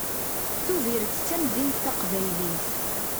Tubiret d tamdint taqbaylit.